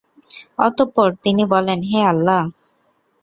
অতঃপর তিনি বলেন, হে আল্লাহ!